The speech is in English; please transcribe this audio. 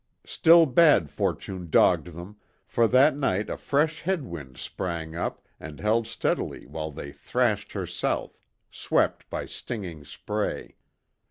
Still bad fortune dogged them, for that night a fresh head wind sprang up and held steadily while they thrashed her south, swept by stinging spray.